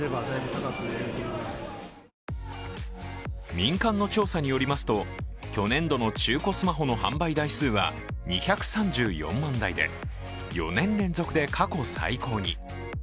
民間の調査によりますと、去年度の中古スマホの販売台数は２３４万台で、４年連続で過去最高に。